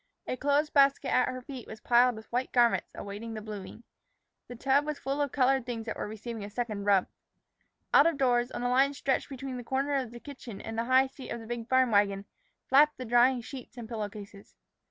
A clothes basket at her feet was piled with white garments awaiting the bluing. The tub was full of colored things that were receiving a second rub. Out of doors, on a line stretched between the corner of the kitchen and the high seat of the big farm wagon, flapped the drying sheets and pillow cases.